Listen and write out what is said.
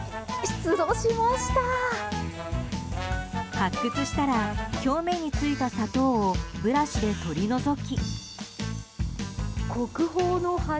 発掘したら表面についた砂糖をブラシで取り除き。